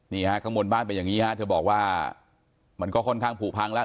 นี่ฮะข้างบนบ้านเป็นอย่างนี้ฮะเธอบอกว่ามันก็ค่อนข้างผูพังแล้ว